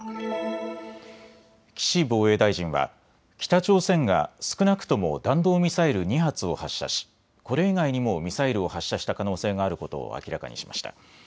岸防衛大臣は、北朝鮮が少なくとも弾道ミサイル２発を発射し、これ以外にもミサイルを発射した可能性があることを明らかにしました。